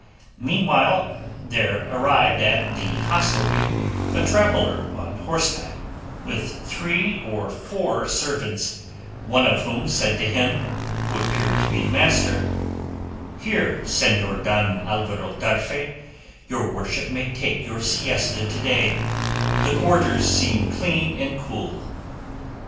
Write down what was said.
Meanwhile there arrived at the hostelry a traveller on horseback with three or four servants, one of whom said to him who appeared to be the master, "Here, Señor Don Alvaro Tarfe, your worship may take your siesta to day; the quarters seem clean and cool."